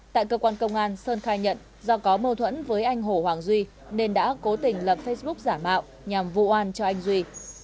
tại cơ quan công an sơn khai nhận do có mâu thuẫn với anh hồ hoàng duy nên đã cố tình lập facebook giả mạo nhằm vụ an cho anh duy